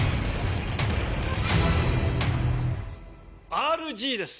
ＲＧです。